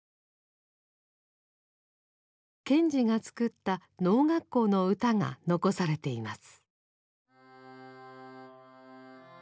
賢治が作った農学校の歌が残されています。